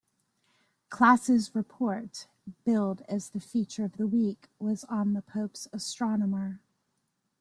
Klass's report, billed as the feature of the week, was on the Pope's astronomer.